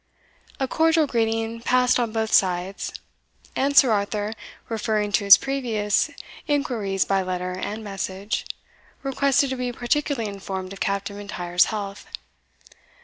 A cordial greeting passed on both sides. And Sir Arthur, referring to his previous inquiries by letter and message, requested to be particularly informed of Captain M'Intyre's health.